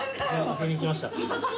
遊びに来ました。